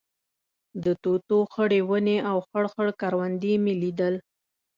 د توتو خړې ونې او خړ خړ کروندې مې لیدل.